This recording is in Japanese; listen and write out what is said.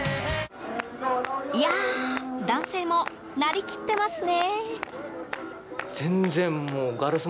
いや男性もなりきってますね。